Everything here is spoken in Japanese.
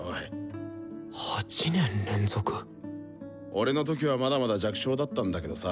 俺の時はまだまだ弱小だったんだけどさ